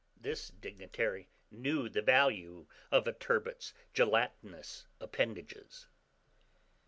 This dignitary knew the value of a turbot's gelatinous appendages.